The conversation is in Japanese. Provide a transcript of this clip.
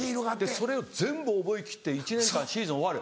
それを全部覚えきって１年間シーズン終わる。